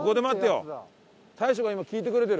大昇が今聞いてくれてる。